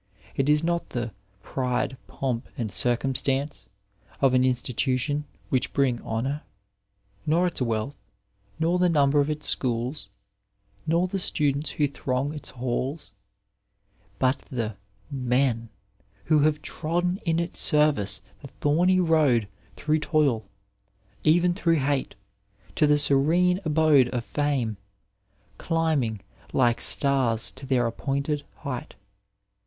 It is not the " pride, pomp and circumstance " of an insti tution which bring honour, not its wealth, nor the number of its schools, not the students who throng its halls, but the men who have trodden in its service the thorny road through toil, even through hate, to the serene abode of Fame, climbing ''like stars to their appointed height."